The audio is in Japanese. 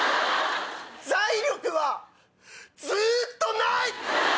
財力はずっとない！